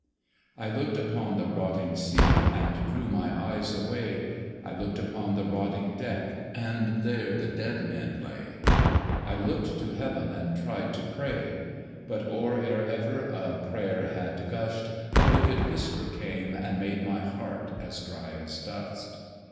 I looked upon the rotting sea, And drew my eyes away; I looked upon the rotting deck, And there the dead men lay. I looked to Heaven, and tried to pray: But or ever a prayer had gusht, A wicked whisper came, and made my heart as dry as dust.